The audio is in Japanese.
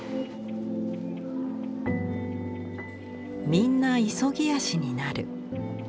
「みんな急ぎ足になる。